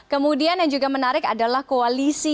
kemudian yang juga menarik adalah koalisi